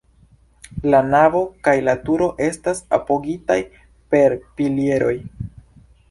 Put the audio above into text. La navo kaj la turo estas apogitaj per pilieroj.